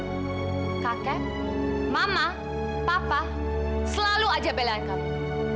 kakak kakek mama papa selalu aja belaan kamu